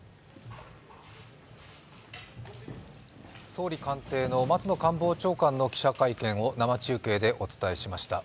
総理官邸の松野官房長官の記者会見を生中継でお伝えしました。